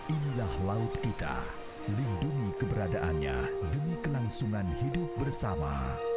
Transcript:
inilah laut kita lindungi keberadaannya demi kelangsungan hidup bersama